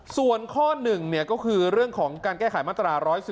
ส่วนข้อ๑ก็คือเรื่องของการแก้ไขมาตรา๑๑๒